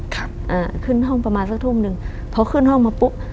อ่าขึ้นห้องประมาณสักทุ่มหนึ่งพอขึ้นห้องมาปุ๊บ